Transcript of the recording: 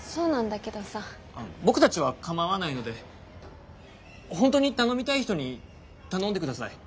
僕たちは構わないのでほんとに頼みたい人に頼んで下さい。